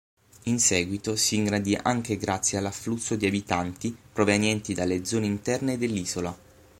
In seguito si ingrandì anche grazie all'afflusso di abitanti provenienti dalle zone interne dell'isola.